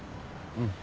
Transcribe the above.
うん。